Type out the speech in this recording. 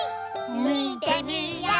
みてみよう！